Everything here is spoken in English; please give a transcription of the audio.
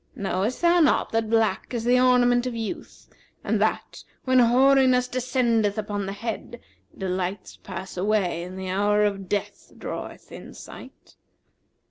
Knowest thou not that black is the ornament of youth and that, when hoariness descendeth upon the head, delights pass away and the hour of death draweth in sight?